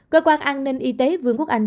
cơ quan an ninh y tế vương quốc anh